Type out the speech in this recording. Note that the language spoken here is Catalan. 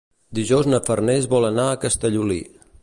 Dijous na Farners vol anar a Castellolí.